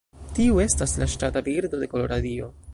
Tiu estas la ŝtata birdo de Koloradio.